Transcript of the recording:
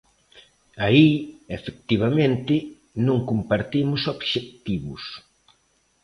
Aí, efectivamente, non compartimos obxectivos.